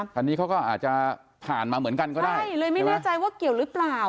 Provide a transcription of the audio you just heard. คันนี้เขาก็อาจจะผ่านมาเหมือนกันก็ได้ใช่เลยไม่แน่ใจว่าเกี่ยวหรือเปล่า